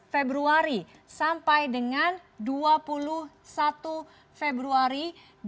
februari sampai dengan dua puluh satu februari dua ribu dua puluh